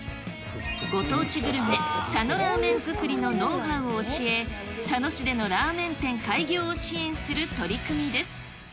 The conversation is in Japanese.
ご当地グルメ、佐野らーめん作りのノウハウを教え、佐野市でのラーメン店開業を支援する取り組みです。